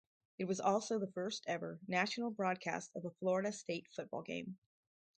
It was also the first-ever national broadcast of a Florida State football game.